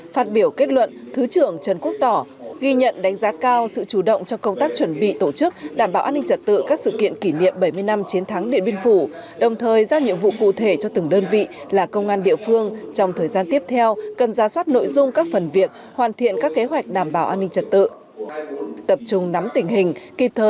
phát biểu kết luận thứ trưởng trần quốc tỏ ghi nhận đánh giá cao sự chủ động cho công tác chuẩn bị tổ chức đảm bảo an ninh trật tự các sự kiện kỷ niệm bảy mươi năm chiến thắng điện biên phủ đồng thời ra nhiệm vụ cụ thể cho từng đơn vị là công an địa phương trong thời gian tiếp theo cần ra soát nội dung các phần việc hoàn thiện các kế hoạch đảm bảo an ninh trật tự